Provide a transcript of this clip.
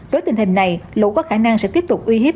đối tình hình này lũ có khả năng sẽ tiếp tục uy hiếp